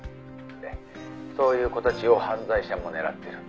「でそういう子たちを犯罪者も狙ってる」